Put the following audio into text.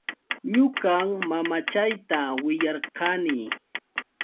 Ñuqam mamachayta willarqani.